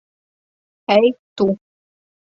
Ei, tu!